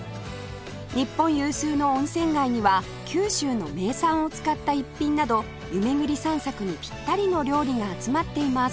日本有数の温泉街には九州の名産を使った逸品など湯巡り散策にピッタリの料理が集まっています